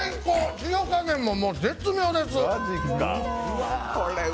塩加減も絶妙です！